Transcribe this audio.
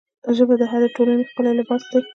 ژبه د هرې ټولنې ښکلی لباس دی